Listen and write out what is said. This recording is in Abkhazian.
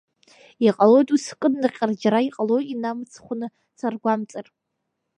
Иҟалоит уи скыднаҟьар џьара, иҟалоит инамыцхәны саргәамҵыр…